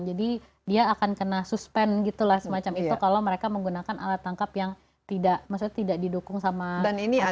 jadi dia akan kena suspend gitu lah semacam itu kalau mereka menggunakan alat tangkap yang tidak maksudnya tidak didukung sama aturan juga